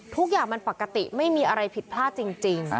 ทุกอย่างมันปกติไม่มีอะไรผิดพลาดจริง